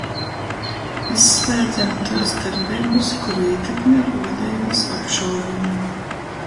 Izslēdzem tuos darbeibys, kuru ītekme ruodejuos apšaubama.